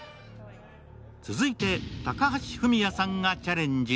続いて高橋文哉さんがチャレンジ。